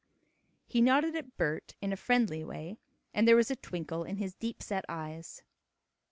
He nodded at Bert in a friendly way, and there was a twinkle in his deep set eyes.